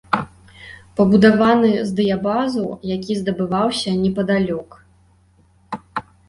Пабудаваны з дыябазу, які здабываўся непадалёк.